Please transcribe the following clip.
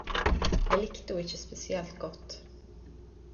Eg likte ho ikkje spesielt godt.